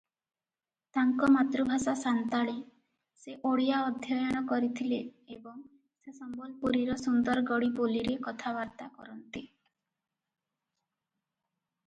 ତାଙ୍କ ମାତୃଭାଷା ସାନ୍ତାଳୀ, ସେ ଓଡ଼ିଆ ଅଧ୍ୟୟନ କରିଥିଲେ ଏବଂ ସେ ସମ୍ବଲପୁରୀର ସୁନ୍ଦରଗଡ଼ୀ ବୋଲିରେ କଥାବାର୍ତ୍ତା କରନ୍ତି ।